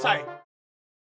ya ampun yang ini masih nangis